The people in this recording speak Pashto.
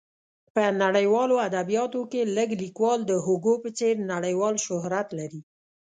په نړیوالو ادبیاتو کې لږ لیکوال د هوګو په څېر نړیوال شهرت لري.